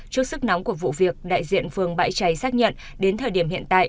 trước sức nóng của vụ việc đại diện phường bãi cháy xác nhận đến thời điểm hiện tại